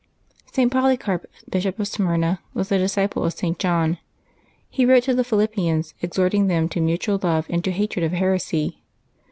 • @T. PoLYCAEP^ Bishop of Smyrna, was a disciple of St. John. He wrote to the Philippians, exhorting them to mutual love and to hatred of heresy.